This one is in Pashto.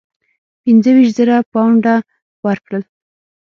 پنځه ویشت زره پونډه ورکړل.